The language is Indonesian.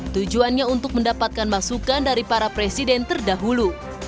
tujuannya untuk mendapatkan masukan dari para presiden terdahulu